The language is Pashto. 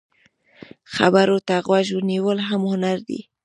خبرو ته غوږ نیول هم هنر دی